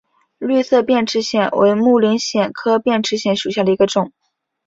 绿色变齿藓为木灵藓科变齿藓属下的一个种。